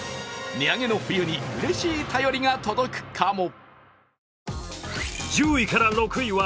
値上げの冬に、うれしい便りが届くかも。